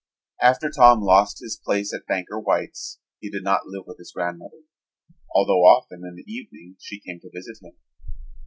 After Tom lost his place at Banker White's he did not live with his grandmother, although often in the evening she came to visit him.